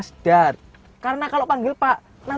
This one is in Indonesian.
sampai bingunglah mengapai kali ini